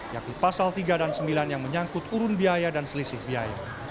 yakni pasal tiga dan sembilan yang menyangkut urun biaya dan selisih biaya